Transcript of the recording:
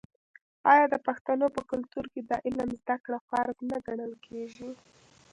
آیا د پښتنو په کلتور کې د علم زده کړه فرض نه ګڼل کیږي؟